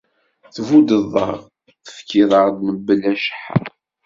Tbuddeḍ-aɣ, tefkiḍ-aɣ-d mebla cceḥḥa.